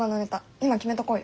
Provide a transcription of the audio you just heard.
今決めとこうよ。